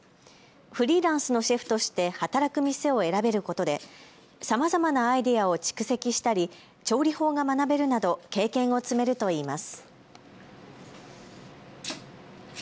フリーランスのシェフとして働く店を選べることでさまざまなアイデアを蓄積したり調理法が学べるなど経験を積めるといいます。